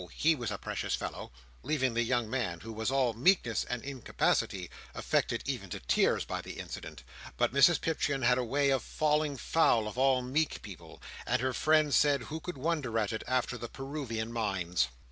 he was a precious fellow"—leaving the young man, who was all meekness and incapacity, affected even to tears by the incident. But Mrs Pipchin had a way of falling foul of all meek people; and her friends said who could wonder at it, after the Peruvian mines!